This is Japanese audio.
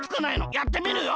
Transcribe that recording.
やってみるよ！